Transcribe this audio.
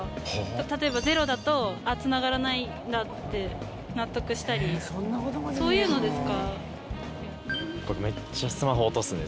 例えばゼロだと繋がらないんだって納得したりそういうので使う。